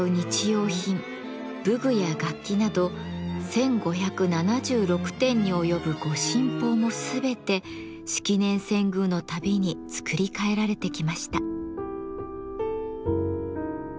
用品武具や楽器など１，５７６点に及ぶ御神宝も全て式年遷宮のたびに作り替えられてきました。